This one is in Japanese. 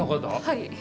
はい。